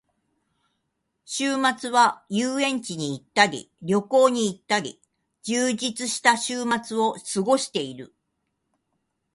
週末は遊園地に行ったり旅行に行ったり、充実した週末を過ごしている。